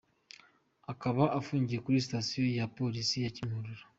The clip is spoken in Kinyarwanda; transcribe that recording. Akaba afungiye kuri station ya Polisi ya Kimihurura.